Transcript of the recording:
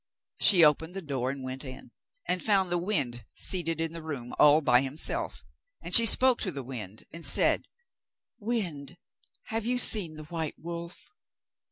She opened the door and went in, and found the wind seated in the room all by himself, and she spoke to the wind and said: 'Wind, have you seen the white wolf?